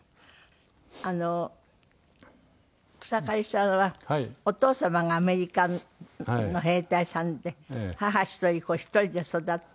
あの草刈さんはお父様がアメリカの兵隊さんで母一人子一人で育った。